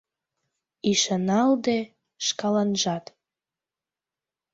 Ӱшаналде шкаланжат